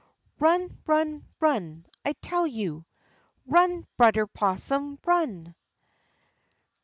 Run, run, run, I tell you, Run, Brudder 'Possum, run!